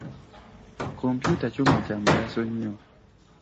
Kompyuta kyuma kya mugaso nnyo.